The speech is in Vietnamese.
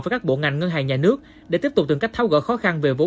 qua khó khăn